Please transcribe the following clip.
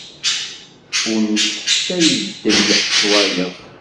Ur nessefsay ddel s wayeḍ.